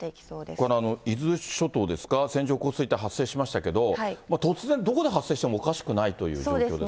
この伊豆諸島ですか、線状降水帯発生しましたけど、突然どこで発生しても、おかしくないという状況ですか。